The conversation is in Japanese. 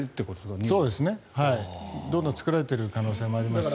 どんどん作られている可能性もありますし。